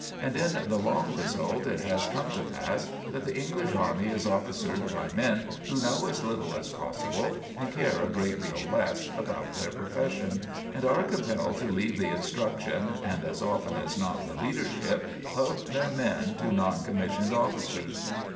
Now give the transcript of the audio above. And in the long result it has come to pass that the English army is officered by men who know as little as possible and care a great deal less about their profession, and are compelled to leave the instruction, and as often as not the leadership, of their men to non commissioned officers.